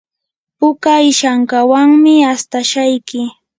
puka ishankawanmi astashayki.